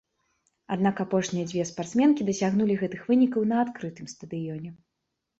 Аднак апошнія дзве спартсменкі дасягнулі гэтых вынікаў на адкрытым стадыёне.